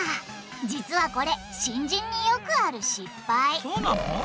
実はこれ新人によくある失敗そうなの？